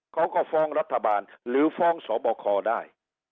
เขาก็ฟ้องรัฐบาลหรือฟ้องสบคได้